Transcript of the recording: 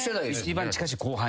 一番近しい後輩。